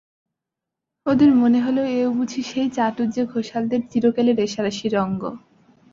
ওদের মনে হল এও বুঝি সেই চাটুজ্যে-ঘোষালদের চিরকেলে রেষারেষির অঙ্গ।